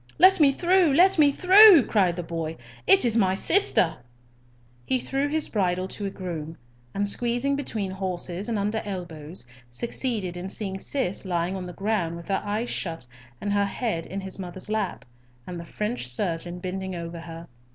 "Let me through! let me through!" cried the boy; "it is my sister." He threw his bridle to a groom, and, squeezing between horses and under elbows, succeeded in seeing Cis lying on the ground with her eyes shut and her head in his mother's lap, and the French surgeon bending over her.